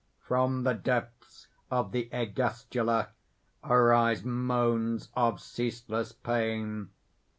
_ _From the depths of the ergastula arise moans of ceaseless pain.